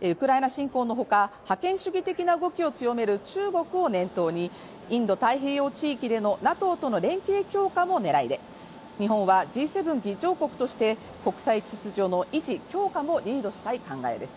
ウクライナ侵攻のほか覇権主義的な動きを強める中国を念頭に、インド太平洋地域でのＮＡＴＯとの連携強化も狙いで日本はＧ７議長国として国際秩序の維持・強化もリードしたい考えです。